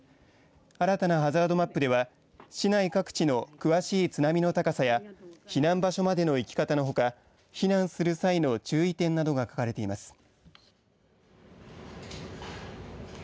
新たなハザードマップでは市内各地の詳しい津波の高さや避難場所までの行き方のほか避難する際の注意点などが書かれています。